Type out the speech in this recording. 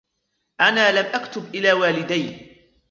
أنا لم أكتب إلى والدي